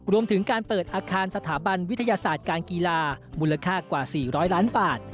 รวมถึงการเปิดอาคารสถาบันวิทยาศาสตร์การกีฬามูลค่ากว่า๔๐๐ล้านบาท